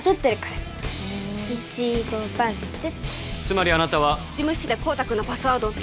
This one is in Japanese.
つまりあなたは事務室で孝多君のパスワードを